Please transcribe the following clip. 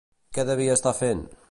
Què devia estar fent?